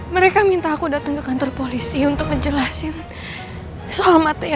mereka minta aku datang ke kantor polisi untuk ngejelasin soal materi